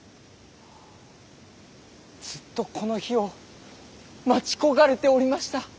ずっとこの日を待ち焦がれておりました。